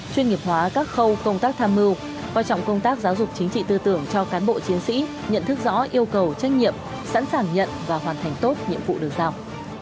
chuyên nghiệp hóa các khâu công tác tham mưu coi trọng công tác giáo dục chính trị tư tưởng cho cán bộ chiến sĩ nhận thức rõ yêu cầu trách nhiệm sẵn sàng nhận và hoàn thành tốt nhiệm vụ được giao